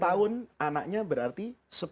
sepuluh tahun anaknya berarti sepuluh